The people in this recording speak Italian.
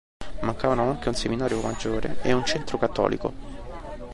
Mancavano anche un seminario maggiore e un centro cattolico.